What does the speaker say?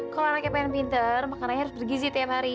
kalau anaknya pengen pinter makanannya harus bergizi tiap hari